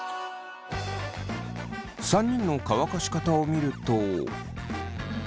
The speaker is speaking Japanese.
３人の乾かし方を見ると。